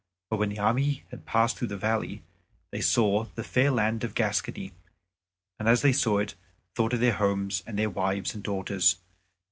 But when the army had passed through the valley, they saw the fair land of Gascony, and as they saw it they thought of their homes and their wives and daughters.